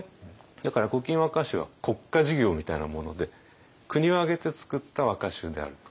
だから「古今和歌集」は国家事業みたいなもので国を挙げて作った和歌集であると。